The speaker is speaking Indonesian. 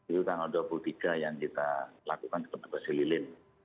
itu tanggal dua puluh tiga yang kita lakukan seperti besi lilin